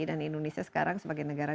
dan indonesia sekarang sebagai negara